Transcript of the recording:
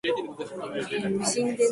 おはよう朝だね